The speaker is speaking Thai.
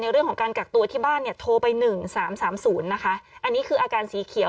เรื่องของการกักตัวที่บ้านเนี่ยโทรไป๑๓๓๐นะคะอันนี้คืออาการสีเขียว